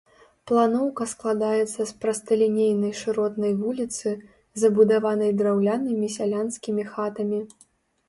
Планоўка складаецца з прасталінейнай шыротнай вуліцы, забудаванай драўлянымі сялянскімі хатамі.